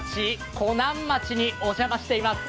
湖南町にお邪魔しています。